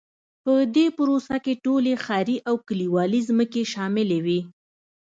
په دې پروسه کې ټولې ښاري او کلیوالي ځمکې شاملې وې.